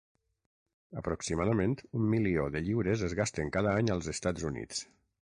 Aproximadament un milió de lliures es gasten cada any als Estats Units.